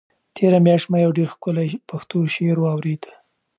تېره میاشت ما یو ډېر ښکلی پښتو شعر واورېد.